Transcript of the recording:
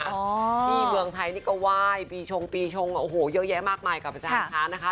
ที่เต่ว่างไทยก็ไหว้ปีชงร์ปีชงร์เยอะแยะมากกว่าใหม่กับประจานภาค